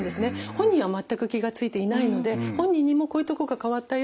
本人は全く気が付いていないので本人にも「こういうとこが変わったよ